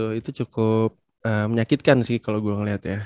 itu cukup menyakitkan sih kalau gue ngeliat ya